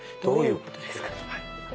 どういうことですか？